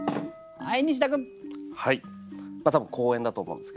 はい。